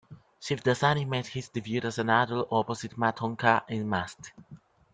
Shivdasani made his debut as an adult opposite Matondkar in "Mast".